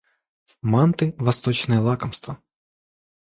Манты - восточное лакомство.